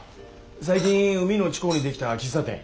最近海の近うに出来た喫茶店。